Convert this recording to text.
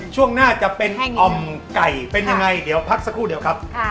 ช่วงหน้าจะเป็นอ่อมไก่เป็นยังไงเดี๋ยวพักสักครู่เดียวครับ